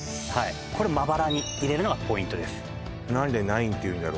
これまばらに入れるのがポイントです何で「９．」っていうんだろ？